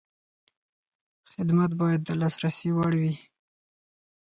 خدمت باید د لاسرسي وړ وي.